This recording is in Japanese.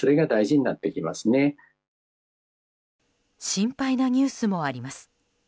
心配なニュースもあります。